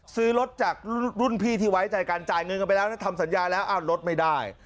ซื้อรถจากรุ่นพี่ที่ไว้ใจกันจ่ายเงินกันไปแล้วนะทำสัญญาแล้วรถไม่ได้